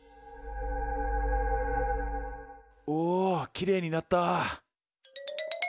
おきれいになった。